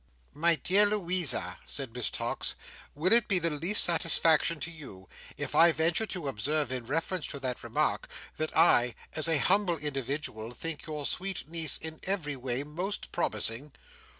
"My dear Louisa," said Miss Tox, "will it be the least satisfaction to you, if I venture to observe in reference to that remark, that I, as a humble individual, think your sweet niece in every way most promising?"